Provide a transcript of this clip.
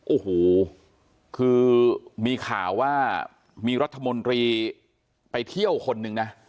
โอ้โหคือมีข่าวว่ามีรัฐมนตรีไปเที่ยวคนนึงนะ